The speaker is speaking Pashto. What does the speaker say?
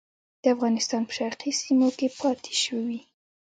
د افغانستان په شرقي سیمو کې پاته شوي.